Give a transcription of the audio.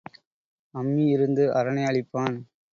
அம்மி இருந்து அரணை அழிப்பான்.